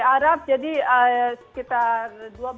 di arab jadi sekitar dua belas jam